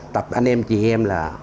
tập anh em chị em là